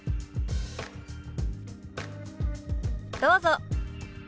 どうぞ。